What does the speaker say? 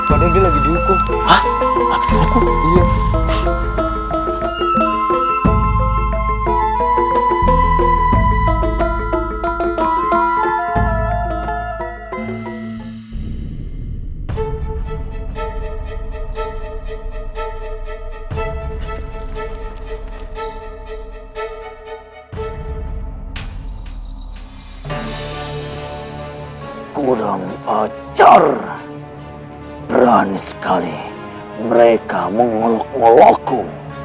aku dengan baju seperti itu